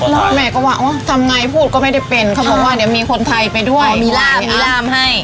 แล้วแม่ก็บอกว่าทำง่ายพูดก็ไม่ได้เป็นเขาบอกว่าเดี๋ยวมีคนไทยไปด้วยอ๋อมีรามให้